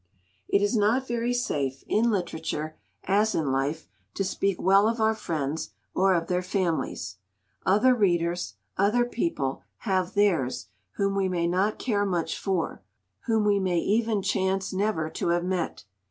It is not very safe, in literature as in life, to speak well of our friends or of their families. Other readers, other people, have theirs, whom we may not care much for, whom we may even chance never to have met.